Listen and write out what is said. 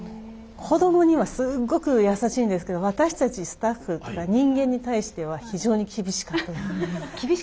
子どもにはすっごく優しいんですけど私たちスタッフとか人間に対しては非常に厳しかったです。